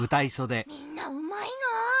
みんなうまいな。